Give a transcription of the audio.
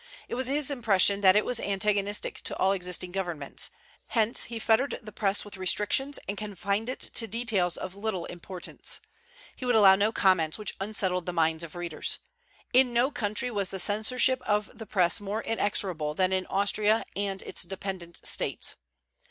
It was his impression that it was antagonistic to all existing governments; hence he fettered the Press with restrictions, and confined it to details of little importance. He would allow no comments which unsettled the minds of readers. In no country was the censorship of the Press more inexorable than in Austria and its dependent States.